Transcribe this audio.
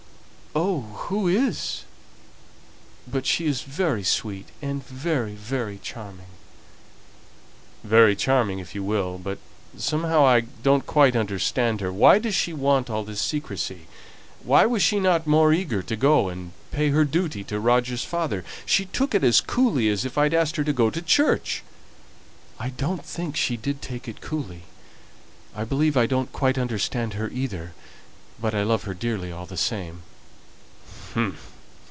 oh, who is? But she is very sweet, and very, very charming." "Very charming if you will, but somehow I don't quite understand her. Why does she want all this secrecy? Why was she not more eager to go and pay her duty to Roger's father? She took it as coolly as if I'd asked her to go to church!" "I don't think she did take it coolly; I believe I don't quite understand her either, but I love her dearly all the same."